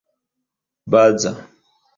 baza